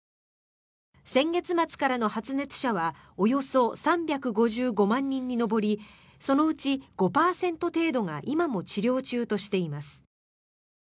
先月末からの発熱者はおよそ３５５万人に上りそのうち５％程度が今も治療中としています。